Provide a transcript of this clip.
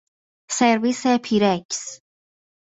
سرویس پیرکس